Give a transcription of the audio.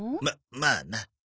ままあな。